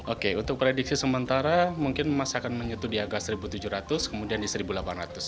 oke untuk prediksi sementara mungkin emas akan menyentuh di agak rp satu tujuh ratus kemudian di rp satu delapan ratus